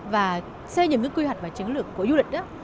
và xây dựng cái quy hoạch và chứng lực của du lịch